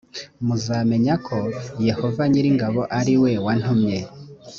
muzamenya ko yehova nyir’ingabo ari we wantumye